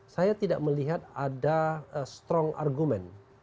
saya tidak melihat ada strong argument